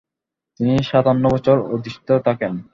তিনি সাতান্ন বছর অধিষ্ঠিত থাকেন।